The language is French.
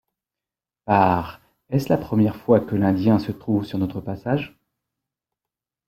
Par « Est-ce la première fois que l’Indien se trouve sur notre passage?